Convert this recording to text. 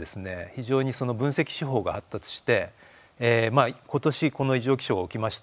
非常に分析手法が発達して今年この異常気象が起きましたと。